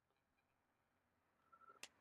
د ځیګر مهمه دنده څه ده؟